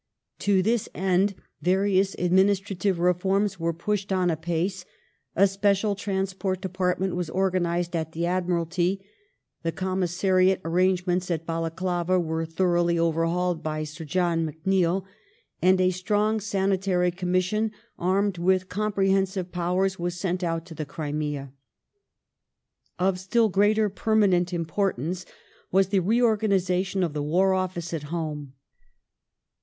To this end various administrative reforms were pushed on apace : a special transport department was organized at the Admiralty ; the commissariat aiTangements at Balaclava were thoroughly over hauled by Su John McNeill, and a strong sanitary Commission armed with comprehensive powei s was sent out to the Crimea. Of still greater permanent importance was the reorganization of the War Office at home.